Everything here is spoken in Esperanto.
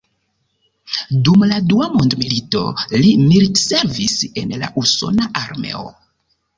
Dum la Dua Mondmilito li militservis en la Usona Armeo.